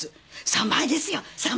３倍ですよ３倍！